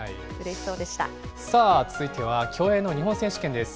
さあ続いては、競泳の日本選手権です。